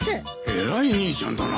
偉い兄ちゃんだな。